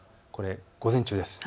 午前中です。